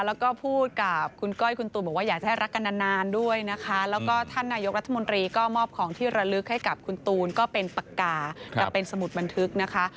แล้วก็พูดกับคุณก้อยคุณตูนบอกว่าอยากจะให้รักกันนานด้วยนะคะแล้วก็ท่านนายกรัฐมนตรีก็มอบของที่ระลึกให้กับคุณตูนก็เป็นปากกากับเป็นสมุดบันทึกนะคะ